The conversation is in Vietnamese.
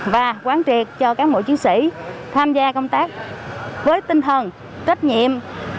và quán triệt cho các ngũ chiến sĩ tham gia công tác với tinh thần trách nhiệm